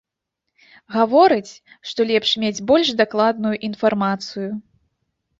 Гаворыць, што лепш мець больш дакладную інфармацыю.